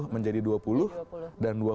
menjadi dua puluh dan dua puluh